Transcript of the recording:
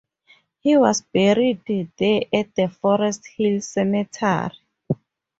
He was buried there at the Forest Hill Cemetery.